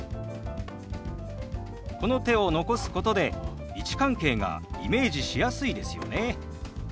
この手を残すことで位置関係がイメージしやすいですよね。